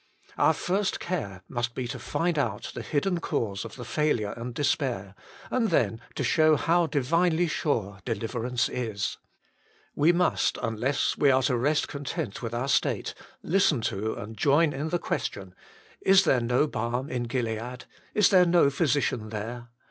Our first care must be to find out the hidden cause of the failure and despair, and then to show how divinely sure deliverance is. We must, unless we are to rest content with our state, listen to and join in the question, " Is there no balm in Gilead ; is there no physician there